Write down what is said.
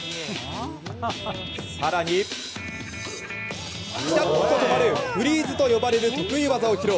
更に、ピタッと止まるフリーズと呼ばれる得意技を披露。